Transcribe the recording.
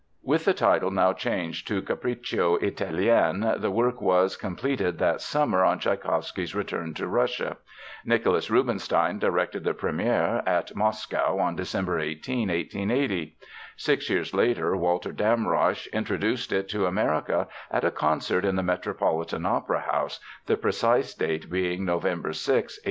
With the title now changed to Capriccio Italien, the work was completed that summer on Tschaikowsky's return to Russia. Nicholas Rubinstein directed the première at Moscow on December 18, 1880. Six years later Walter Damrosch introduced it to America at a concert in the Metropolitan Opera House, the precise date being November 6, 1886.